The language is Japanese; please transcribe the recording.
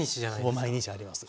ほぼ毎日あります。